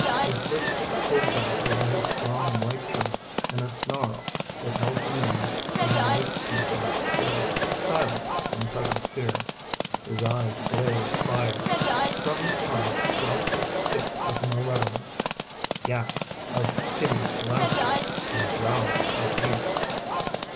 His lips pulled back over his strong, white teeth In a snarl that held the man he had risked himself to save silent from sudden fear. His eyes blazed fire. From his tongue dropped the spit of malevolence ŌĆö yaps of hideous laughter and growls of hate.